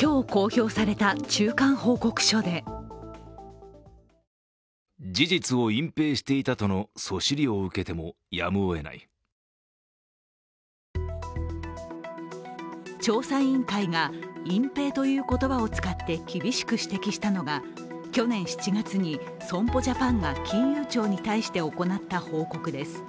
今日公表された中間報告書で調査委員会が隠蔽という言葉を使って厳しく指摘したのが、去年７月に損保ジャパンが金融庁に対して行った報告です。